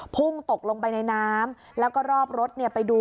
พุ่งตกลงไปในน้ำแล้วก็รอบรถเนี่ยไปดู